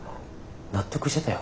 納得してたよ。